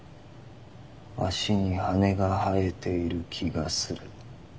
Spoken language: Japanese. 足に羽が生えている気がする。